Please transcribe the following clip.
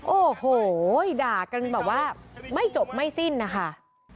โอ้โหด่ากันแบบว่าไม่จบไม่สิ้นนะคะ